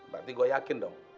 berarti gue yakin dong